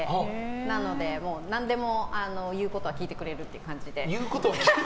なので、何でも言うことは聞いてくれるって感じで。